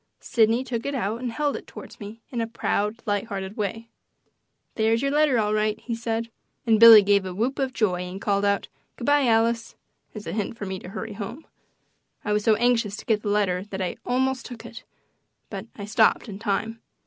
Sidney took it out and held it toward me in a proud, light hearted way: "There's your letter, all right," he said, and Billy gave a whoop of joy and called out, "Good bye, Alice," as a hint for me to hurry home. I was so anxious to get the letter that I almost took it, but I stopped in time.